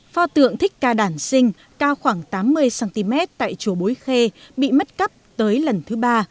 pho tượng thích ca đàn sinh cao khoảng tám mươi cm tại chùa bối khê bị mất cắp tới lần thứ ba